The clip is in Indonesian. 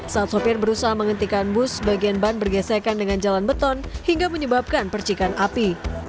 saat sopir berusaha menghentikan bus bagian ban bergesekan dengan jalan beton hingga menyebabkan percikan api